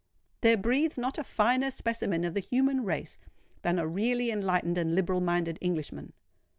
There breathes not a finer specimen of the human race than a really enlightened and liberal minded Englishman.